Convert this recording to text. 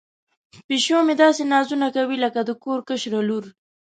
پیشو مې داسې نازونه کوي لکه د کور کشره لور.